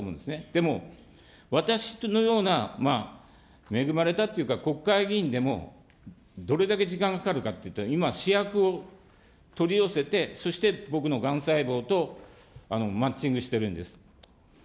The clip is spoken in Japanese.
でも、私のような、恵まれたというか、国会議員でも、どれだけ時間がかかるかっていったら、今、試薬を取り寄せて、そして僕のがん細胞とマッチングしてるんです。